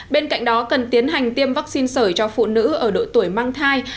bên cạnh đó cần tiến hành tiêm vaccine sởi cho phụ nữ ở độ tuổi mang thai